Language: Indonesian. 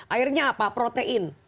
airnya apa protein